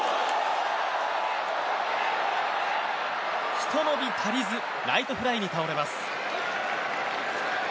ひと伸び足りずライトフライに倒れます。